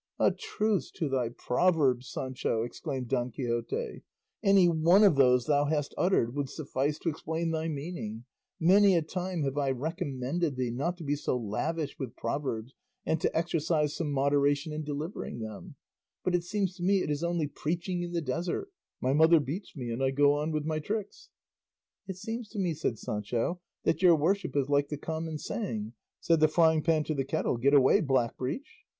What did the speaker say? '" "A truce to thy proverbs, Sancho," exclaimed Don Quixote; "any one of those thou hast uttered would suffice to explain thy meaning; many a time have I recommended thee not to be so lavish with proverbs and to exercise some moderation in delivering them; but it seems to me it is only 'preaching in the desert;' 'my mother beats me and I go on with my tricks." "It seems to me," said Sancho, "that your worship is like the common saying, 'Said the frying pan to the kettle, Get away, blackbreech.